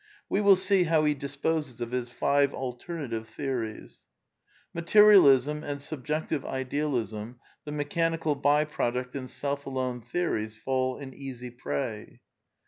We will see how he disposes of his five alternative theories. Materialism, and Subjective Idealism, the mechanical by product and Self Alone theories fall an easy prey.